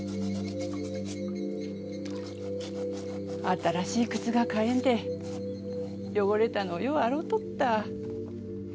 新しい靴が買えんで汚れたのをよう洗うとった。